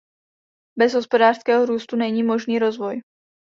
Bez hospodářského růstu není možný rozvoj.